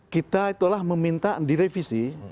kita itulah meminta direvisi